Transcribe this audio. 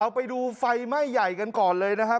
เอาไปดูไฟไหม้ใหญ่กันก่อนเลยนะครับ